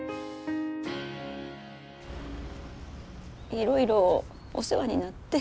いろいろお世話になって。